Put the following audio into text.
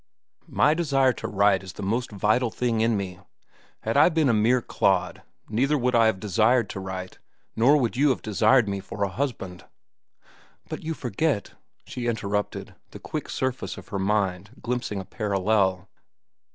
My desire to write is the most vital thing in me. Had I been a mere clod, neither would I have desired to write, nor would you have desired me for a husband." "But you forget," she interrupted, the quick surface of her mind glimpsing a parallel.